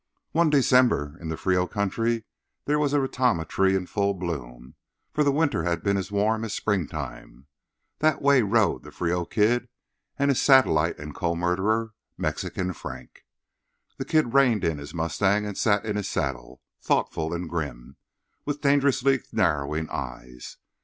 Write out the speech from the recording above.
One December in the Frio country there was a ratama tree in full bloom, for the winter had been as warm as springtime. That way rode the Frio Kid and his satellite and co murderer, Mexican Frank. The kid reined in his mustang, and sat in his saddle, thoughtful and grim, with dangerously narrowing eyes.